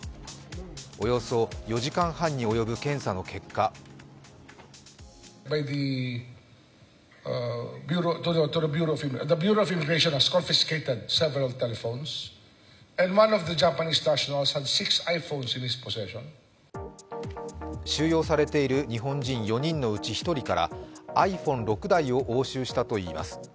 およそ４時間半に及ぶ検査の結果収容されている日本人４人のうち１人からｉＰｈｏｎｅ６台を押収したといいます。